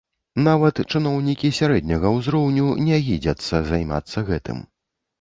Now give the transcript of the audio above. Нават чыноўнікі сярэдняга ўзроўню не гідзяцца займацца гэтым.